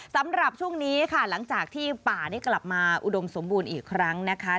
สำหรับช่วงนี้ค่ะหลังจากที่ป่านี้กลับมาอุดมสมบูรณ์อีกครั้งนะคะ